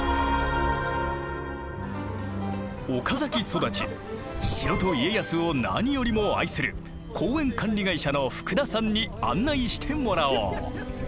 岡崎育ち城と家康を何よりも愛する公園管理会社の福田さんに案内してもらおう。